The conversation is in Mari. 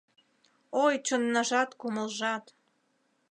Ой, чоннажат, кумылжат